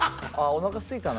「おなかすいたな」